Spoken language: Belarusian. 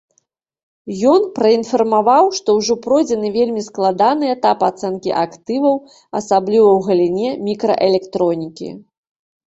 Ён праінфармаваў, што ўжо пройдзены вельмі складаны этап ацэнкі актываў, асабліва ў галіне мікраэлектронікі.